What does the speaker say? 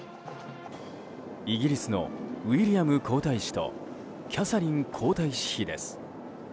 イギリスのウィリアム皇太子とキャサリン皇太子妃です。